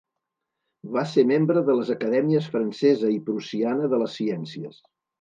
Va ser membre de les acadèmies francesa i prussiana de les ciències.